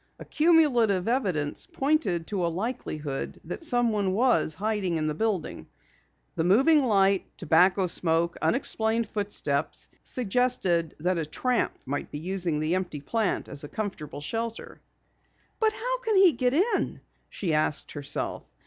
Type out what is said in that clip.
Accumulative evidence pointed to a likelihood that someone was hiding in the building. The moving light, tobacco smoke, unexplained footsteps, suggested that a tramp might be using the empty plant as a comfortable shelter. "But how can he get in?" she asked herself.